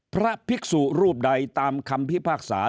พระภิกษุรูปใดตามคำพิพากษา